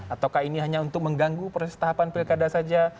ataukah ini hanya untuk mengganggu proses tahapan pilkada saja